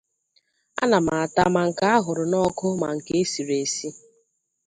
ana m ata ma nke a hụrụ n’ọkụ ma nke e siri esi